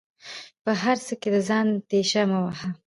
په هر څه کې د ځان تيشه مه وهه